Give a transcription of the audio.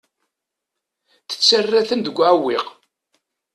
Tettarra-ten deg uɛewwiq.